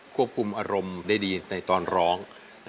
ควบคุมอารมณ์ได้ดีในตอนร้อง